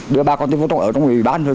đưa ba con tôi vô trong ở trong ủy ban thôi